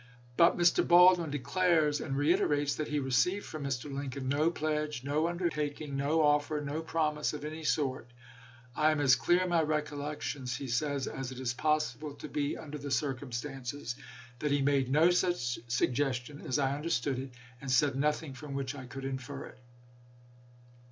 But Mr. Baldwin declares and reiterates that he received from Mr. Lincoln " no pledge, no undertaking, no offer, no promise of any sort." " I am as clear in my recollections," he says, " as it is possible to be under the circumstances, that he made no such suggestion as I understood it, and said nothing from which I could infer it."